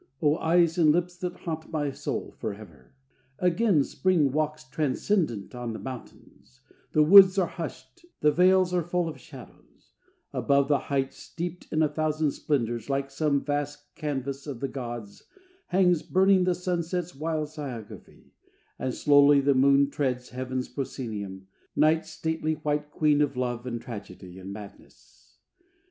O eyes and lips, that haunt my soul forever! Again Spring walks transcendent on the mountains: The woods are hushed: the vales are full of shadows: Above the heights, steeped in a thousand splendors, Like some vast canvas of the gods, hangs burning The sunset's wild sciography: and slowly The moon treads heaven's proscenium, night's stately White queen of love and tragedy and madness.